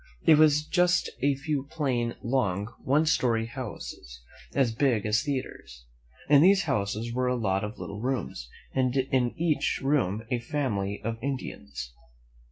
It was just a few plain, long, one story houses, as big as theatres. In these houses were a lot of little rooms, and in each room a family of Indians.